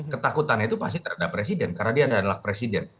ketakutan itu pasti terhadap presiden karena dia adalah presiden